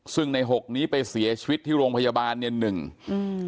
ซึ่งในหกนี้ไปเสียชีวิตที่โรงพยาบาลเนี่ยหนึ่งอืม